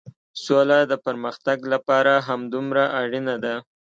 سوله د پرمختګ لپاره همدومره اړينه ده.